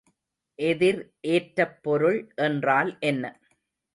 எதிர் ஏற்றப் பொருள் என்றால் என்ன?